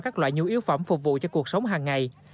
các loại nhu yếu phẩm phục vụ cho cuộc sống hàng ngày